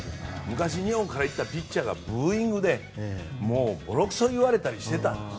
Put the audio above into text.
昔、日本に帰ったピッチャーがブーイングで、ぼろくそに言われたりしていたんです。